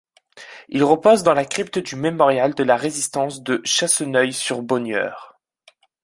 Il repose dans la crypte du Mémorial de la Résistance de Chasseneuil-sur-Bonnieure.